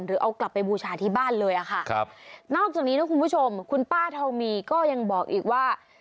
หรือเอากลับไปบูชาที่บ้านเลยอะค่ะครับนอกจากนี้นะคุณผู้ชมคุณป้าทองมีก็ยังบอกอีกว่า